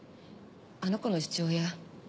あの子の父親